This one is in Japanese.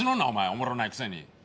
おもろないくせに。